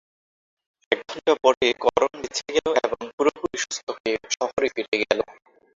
এক ঘণ্টা পরে করণ বেঁচে গেল এবং পুরোপুরি সুস্থ হয়ে ফিরে শহরে ফিরে গেল।